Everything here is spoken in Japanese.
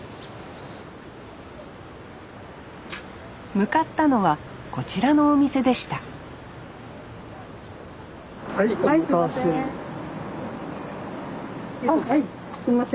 向かったのはこちらのお店でしたはいお待たせ！